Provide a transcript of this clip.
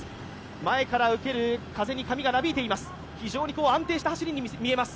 前から受ける風に髪がなびいています。